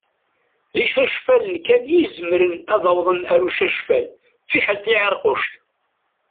D icacfalen kan i izemren ad awḍen ar ucacfal, fiḥel tiεiṛkuct.